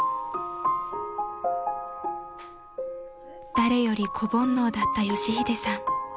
［誰より子煩悩だった佳秀さん］